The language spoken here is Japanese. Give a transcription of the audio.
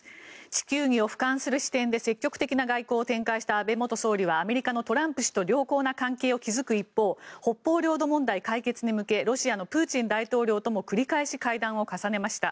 地球儀をふかんする視点で積極的な外交を展開した安倍元総理はアメリカのトランプ氏と良好な関係を築く一方北方領土問題解決に向けロシアのプーチン大統領とも繰り返し会談を重ねました。